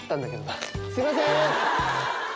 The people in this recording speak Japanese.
すいません！